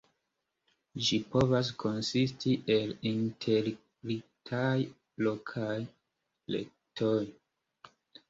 Ĝi povas konsisti el interligitaj lokaj retoj.